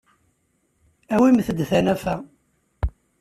Awimt-d tanafa.